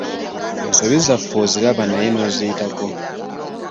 Ensobi zange oziraba naye n'oziyitako.